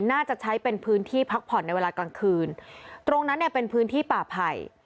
น่าจะใช้เป็นพื้นที่พักผ่อนในเวลากลางคืนตรงนั้นเนี่ยเป็นพื้นที่ป่าไผ่